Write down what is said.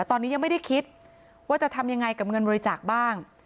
ตอนนี้ยังไม่ได้คิดว่าจะทำยังไงกับเงินบริจาคบ้าง